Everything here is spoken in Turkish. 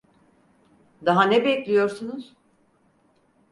Daha ne bekliyorsunuz?